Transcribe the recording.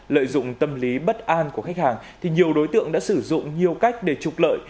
lợi dụng tâm lý bất an của khách hàng thì nhiều đối tượng đã sử dụng nhiều cách để trục lợi